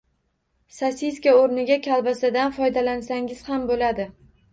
Sosiska o‘rniga kolbasadan foydalansangiz ham bo‘ladi